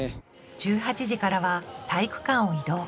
１８時からは体育館を移動。